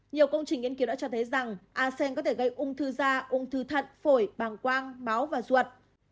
nhiều công trình nghiên cứu đã cho thấy rằng asen có thể gây ung thư da ung thư thận phổi bàng quang máu và ruột